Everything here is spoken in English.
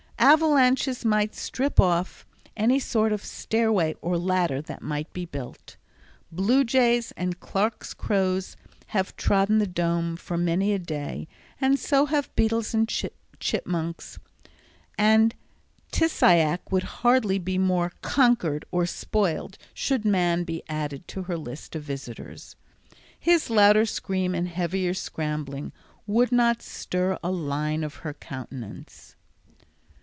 Avalanches might strip off any sort of stairway or ladder that might be built. Blue jays and Clark's crows have trodden the Dome for many a day, and so have beetles and chipmunks, and Tissiack would hardly be more "conquered" or spoiled should man be added to her list of visitors. His louder scream and heavier scrambling would not stir a line of her countenance.